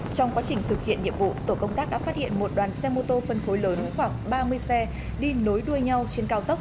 trong quá trình thực hiện nhiệm vụ tổ công tác đã phát hiện một đoàn xe mô tô phân khối lớn khoảng ba mươi xe đi nối đuôi nhau trên cao tốc